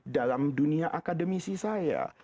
dalam dunia akademisi saya